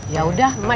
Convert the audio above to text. ya udah mak